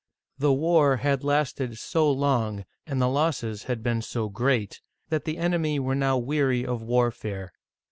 The war had lasted so long, and the losses had been so great, that the enemy were now weary of warfare.